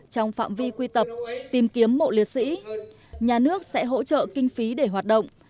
trong phạm vi quy tập tìm kiếm mộ liệt sĩ nhà nước sẽ hỗ trợ kinh phí để hoạt động